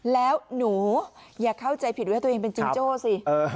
แล้วหนูอย่าเข้าใจผิดว่าตัวเองเป็นจิงโจ้สิ